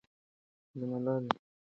د ملالۍ کورنۍ لا هم پاتې ده.